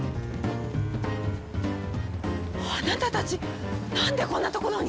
あなたたちなんでこんなところに？